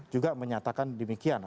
juga menyatakan demikian